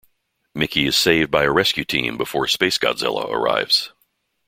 Miki is saved by a rescue team before SpaceGodzilla arrives.